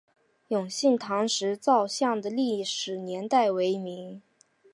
永兴堂石造像的历史年代为明。